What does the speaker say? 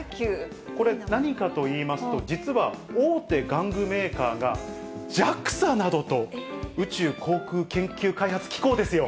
これ、何かといいますと、実は大手玩具メーカーが、ＪＡＸＡなどと宇宙航空研究開発機構ですよ。